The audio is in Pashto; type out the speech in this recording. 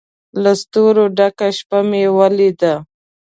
له ستورو ډکه شپه مې ولیده